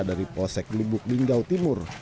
dari polsek lubuk linggau timur